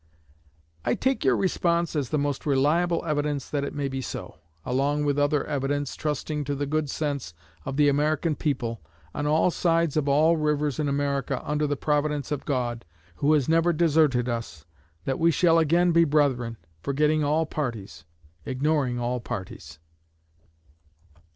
'_] I take your response as the most reliable evidence that it may be so, along with other evidence, trusting to the good sense of the American people, on all sides of all rivers in America, under the Providence of God, who has never deserted us, that we shall again be brethren, forgetting all parties ignoring all parties.